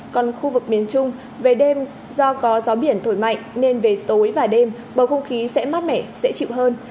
còn khu vực miền trung về đêm do có gió biển thổi mạnh nên về tối và đêm bầu không khí sẽ mát mẻ dễ chịu hơn